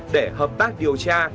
để hợp tác điều tra